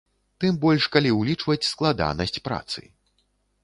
Тым больш, калі ўлічваць складанасць працы.